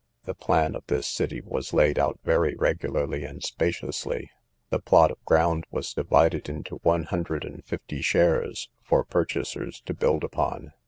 The plan of this city was laid out very regularly and spaciously. The plot of ground was divided into one hundred and fifty shares, for purchasers to build upon.